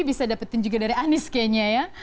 bisa dapetin juga dari anies kayaknya ya